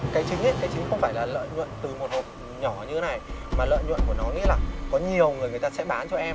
cái chính đấy chứ không phải là lợi nhuận từ một hộp nhỏ như thế này mà lợi nhuận của nó nghĩ là có nhiều người người ta sẽ bán cho em